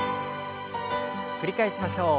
繰り返しましょう。